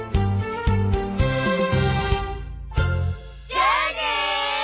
じゃあね！